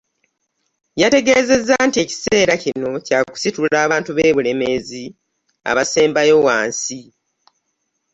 Yategeezezza nti ekiseera kino kya kusitula abantu b'e Bulemeezi abasembayo wansi.